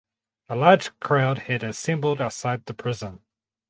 A large crowd had assembled outside the prison.